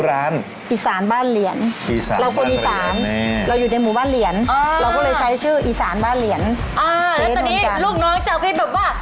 แล้วตอนนี้ลูกน้องจะคิดแบบว่า